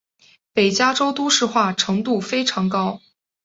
北加州都市化程度非常高。